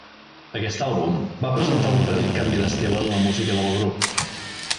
Aquest àlbum va presentar un petit canvi d'estil en la música del grup.